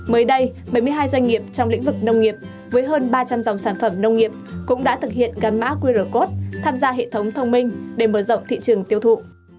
mới đây bảy mươi hai doanh nghiệp trong lĩnh vực nông nghiệp với hơn ba trăm linh dòng sản phẩm nông nghiệp cũng đã thực hiện gắn mã qr code tham gia hệ thống thông minh để mở rộng thị trường tiêu thụ